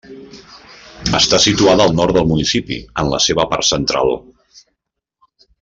Està situada al nord del municipi en la seva part central.